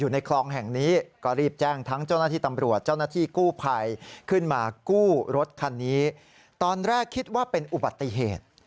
ตอนแรกคิดว่าเป็นอุบัติเหตุ